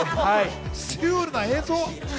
シュールな映像。